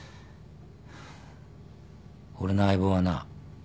俺の相棒はな